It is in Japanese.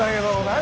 何？